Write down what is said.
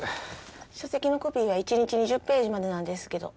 書籍のコピーは一日２０ページまでなんですけど。